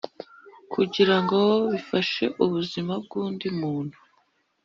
kugira ngo bifashe ubuzima bw’undi muntu.